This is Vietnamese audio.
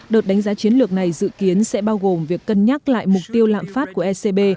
đợt đánh giá chiến lược này dự kiến sẽ bao gồm việc cân nhắc lại mục tiêu lạm phát của ecb